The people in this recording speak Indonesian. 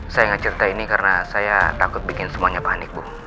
saya nggak cerita ini karena saya takut bikin semuanya panik bu